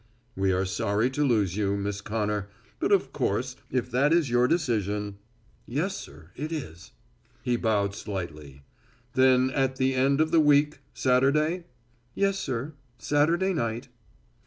"We are sorry to lose you, Miss Connor, but of course if that is your decision " "Yes, sir, it is." He bowed slightly. "Then at the end of the week, Saturday?" "Yes, sir, Saturday night."